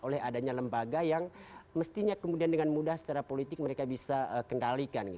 oleh adanya lembaga yang mestinya kemudian dengan mudah secara politik mereka bisa kendalikan